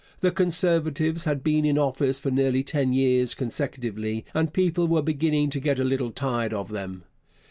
The Conservatives had been in office for nearly ten years consecutively, and people were beginning to get a little tired of them.